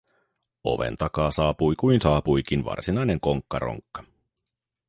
Oven takaa saapui kuin saapuikin varsinainen konkkaronkka: